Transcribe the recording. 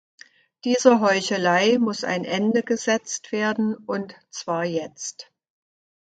Dieser Heuchelei muss ein Ende gesetzt werden, und zwar jetzt.